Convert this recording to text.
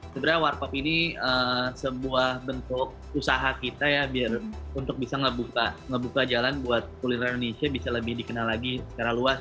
sebenarnya warcop ini sebuah bentuk usaha kita ya biar untuk bisa ngebuka jalan buat kuliner indonesia bisa lebih dikenal lagi secara luas